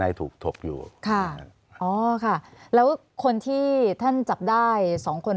ถูกถกอยู่ค่ะอ๋อค่ะแล้วคนที่ท่านจับได้สองคน